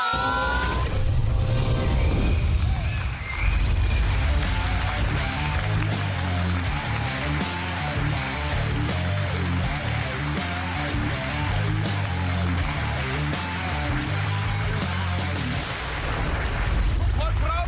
ทุกคนพร้อมไหมครับ